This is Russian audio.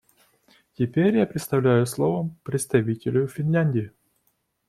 Теперь я предоставляю слово представителю Финляндии.